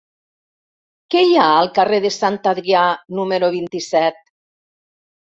Què hi ha al carrer de Sant Adrià número vint-i-set?